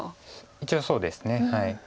一応そうですね。